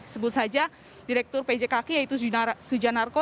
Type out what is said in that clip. sebut saja direktur pjkk yaitu suja narko